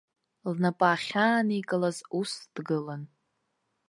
Лнапы ахьааникылаз ус дгылан.